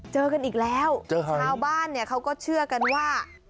เจอกันอีกแล้วชาวบ้านเนี่ยเขาก็เชื่อกันว่า